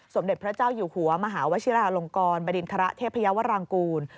สมเด็จพระเจ้าอยู่หัวมหาวชิราลงกรบริณฑระเทพยาวรางกูล